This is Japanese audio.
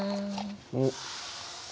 おっ！